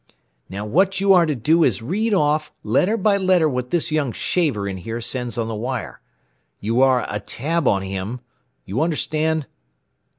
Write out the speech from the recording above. "Now what you are to do is to read off letter by letter what this young shaver in here sends on the wire. You are a tab on him. You understand?"